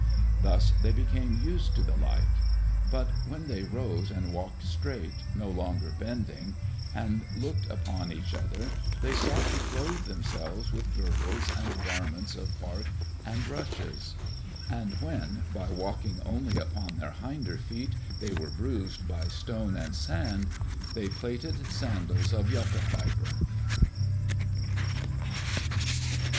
Thus they became used to the light. But when they rose and walked straight, no longer bending, and looked upon each other, they sought to clothe themselves with girdles and garments of bark and rushes. And when by walking only upon their hinder feet they were bruised by stone and sand, they plaited sandals of yucca fibre.